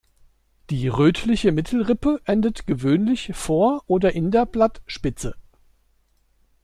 Die rötliche Mittelrippe endet gewöhnlich vor oder in der Blattspitze.